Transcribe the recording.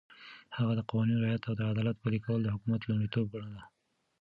هغه د قوانينو رعایت او د عدالت پلي کول د حکومت لومړيتوب ګڼله.